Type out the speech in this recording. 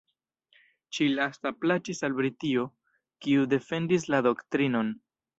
Ĉi-lasta plaĉis al Britio, kiu defendis la doktrinon.